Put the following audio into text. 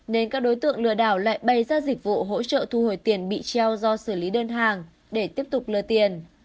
nên các đối tượng lừa đảo lại bày ra dịch vụ hỗ trợ thu hồi tiền bị treo do xử lý đơn hàng để tiếp tục lừa tiền